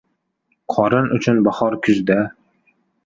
• Qorin uchun bahor kuzda.